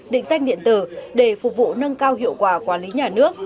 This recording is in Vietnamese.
định sách điện tử để phục vụ nâng cao hiệu quả quản lý nhà nước